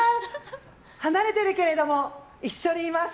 離れているけども一緒にいます。